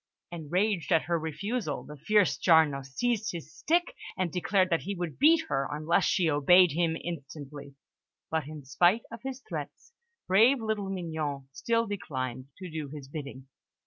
Enraged at her refusal, the fierce Giarno seized his stick, and declared that he would beat her unless she obeyed him instantly; but, in spite of his threats, brave little Mignon still declined to do his bidding.